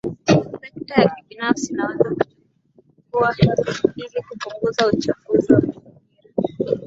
sekta ya kibinafsi inaweza kuchukua ili kupunguza uchafuzi wa mazingira